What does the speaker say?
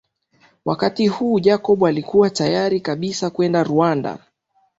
Wakati huu Jacob alikuwa tayari kabisa kwenda Rwanda